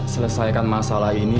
selesaikan masalah ini